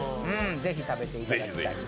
ぜひ食べていただきたい。